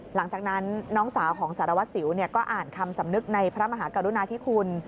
หลังจากนั้นน้องสาวของสารวัสสิวก็อ่านคำสำนึกในพระมหากรุณาธิคุณ